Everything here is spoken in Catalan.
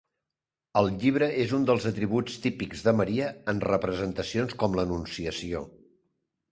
El llibre és un dels atributs típics de Maria en representacions com l'Anunciació.